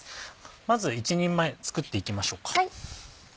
まず１人前作っていきましょうか。